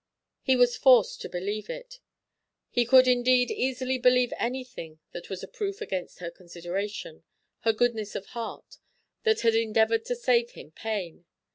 He was forced to believe it; he could indeed easily believe anything that was a proof against her consideration, her goodness of heart, that had endeavoured to save him pain.